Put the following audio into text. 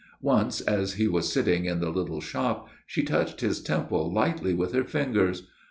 Once, as he was sitting in the little shop, she touched his temple lightly with her fingers.